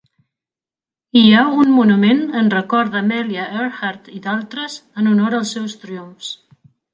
Hi ha un monument en record d'Amelia Earhart i d'altres, en honor als seus triomfs.